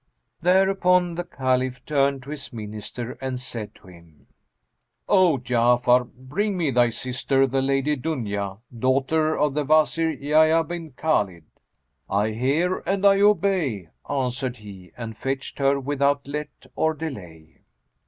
"[FN#209] Thereupon the Caliph turned to his Minister and said to him, "O Ja'afar, bring me thy sister, the Lady Dunya, daughter of the Wazir Yahya bin Khбlid!" "I hear and I obey," answered he and fetched her without let or delay.